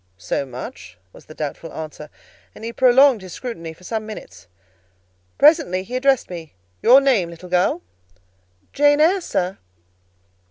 "So much?" was the doubtful answer; and he prolonged his scrutiny for some minutes. Presently he addressed me—"Your name, little girl?" "Jane Eyre, sir."